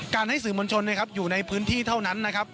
การให้สื่อมนชนนะครับอยู่ในพื้นที่เท่านั้นนะครับ